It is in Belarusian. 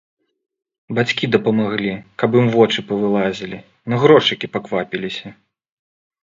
Бацькі дапамаглі, каб ім вочы павылазілі, на грошыкі паквапіліся.